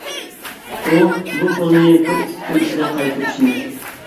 ئۇ بۇ پۇلنى بىر ئىككى كۈن ئىچىدە قايتۇرۇشنى.